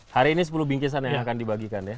hari ini sepuluh bingkisan yang akan dibagikan ya